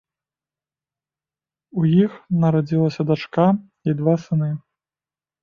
У іх нарадзіліся дачка і два сыны.